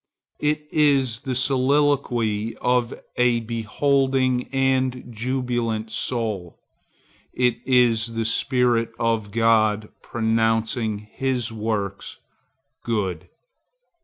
It is the soliloquy of a beholding and jubilant soul. It is the spirit of God pronouncing his works good.